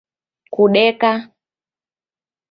Kudeka